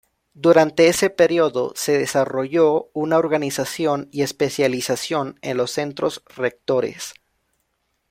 Durante ese periodo se desarrolló una organización y especialización en los centros rectores.